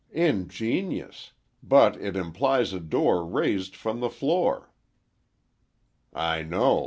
"Ingenious! but it implies a door raised from the floor." "I know.